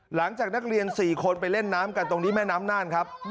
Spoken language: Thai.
หลังจากนักเรียน๔คนไปเล่นน้ำกันตรงนี้แม่น้ำน่านครับ